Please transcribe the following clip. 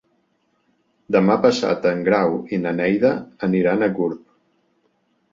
Demà passat en Grau i na Neida aniran a Gurb.